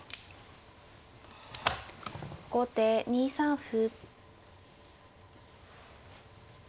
後手２三歩。